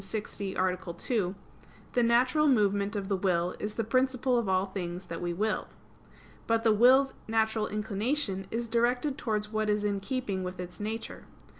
60, A. 2) the natural movement of the will is the principle of all things that we will. But the will's natural inclination is directed towards what is in keeping with its nature.